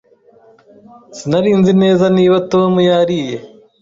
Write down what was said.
Sinari nzi neza niba Tom yariye.